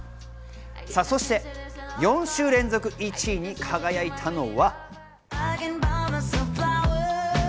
そして４週連続１位に輝いたのは。